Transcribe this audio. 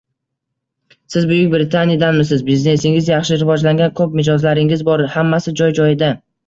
Siz Buyuk Britaniyadansiz, biznesingiz yaxshi rivojlangan, koʻp mijozlaringiz bor, hammasi joy-joyida.